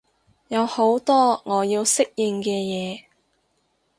有好多我要適應嘅嘢